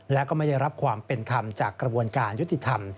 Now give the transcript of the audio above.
และก็ไม่ได้รับความเป็นธรรมจากกระบวนการยุติธรรม